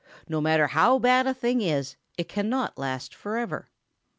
No matter how bad a thing is, it cannot last forever.